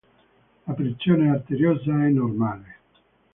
La pressione arteriosa è normale.